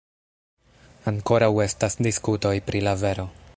Ankoraŭ estas diskutoj pri la vero.